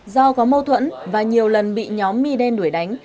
do có mâu thuẫn và nhiều lần bị nhóm mi đen đuổi đánh